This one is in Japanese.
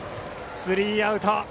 スリーアウト。